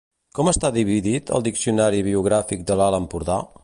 Com està dividit el Diccionari biogràfic de l'Alt Empordà?